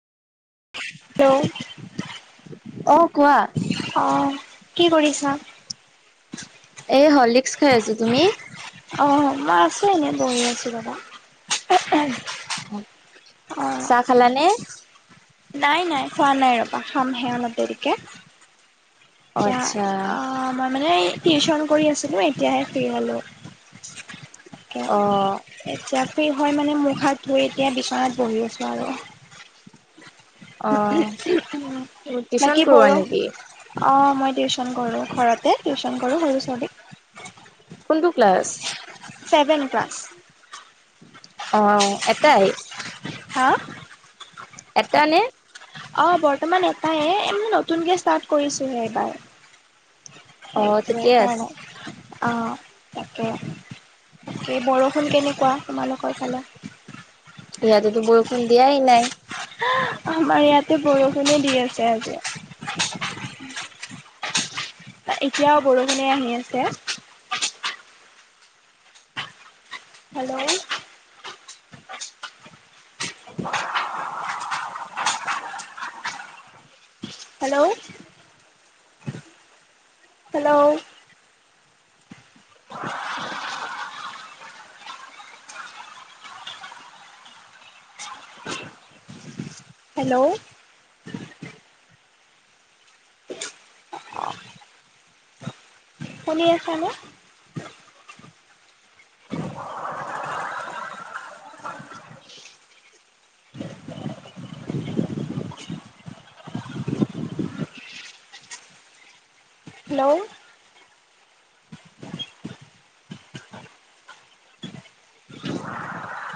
Hello. অ কোৱা? অ, কি কৰিছা? এই হলিক্স খাই আছো। তুমি? অ মই আছো এনেই বহি আছো ৰ'দত। [unintelligible] অঁ। চাহ খালানে? নাই নাই খোৱা নাই ৰবা। খাম হে অলপ দেৰিকে। অ এতিয়া আচ্ছা আ মই মানে‌ এই টিউচন কৰি আছিলো, এতিয়াহে ফ্ৰী হলো এতিয়া। অ এতিয়া ফ্ৰি'হয় মানে মুখ- হাত ধুই এতিয়া বিচনাত বহি আছো আৰু। অ টিউচন বাকি কৰোৱা বড়ো নেকি অ মই টিউচন কৰো, ঘৰতে টিউচন কৰো সৰু ছোৱালীক। কোনটো ক্লাছ? Seven class. অঁ, এটাই? হাঁ? এটানে? অ বৰ্তমান এটাই, [unintelligible] নতুনকে ষ্টাৰ্ট কৰিছোহে এইবাৰ। অ সেইটোৱে ঠিকে আছে কাৰনে, অ তাকে। এ বৰষুণ কেনেকুৱা তোমালোকৰ ফালে ইয়াতে তো বৰষূণ দিয়াই নাই আহ আমাৰ ইয়াতে বৰষুণে দি আছে আজি [unintelligible] এতিয়াও বৰষুণে আহি আছে হেল্ল হেল্ল'ঊ হেল্ল'ঊ হেল্ল'ঊ শুনি আছা নে? হেল্ল